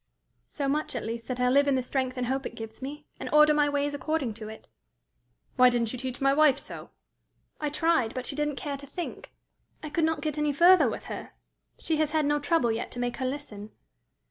"So much, at least, that I live in the strength and hope it gives me, and order my ways according to it." "Why didn't you teach my wife so?" "I tried, but she didn't care to think. I could not get any further with her. She has had no trouble yet to make her listen."